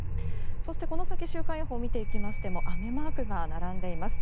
そして、この先週間予報を見てみましても雨マークが並んでいます。